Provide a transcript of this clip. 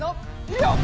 よっ！